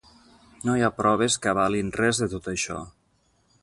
No hi ha proves que avalin res de tot això.